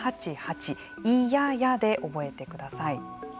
「いやや」で覚えてください。